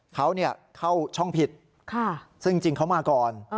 เขาเข้าช่องผิดซึ่งจริงเขามาก่อน